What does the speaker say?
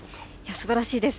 すばらしいです。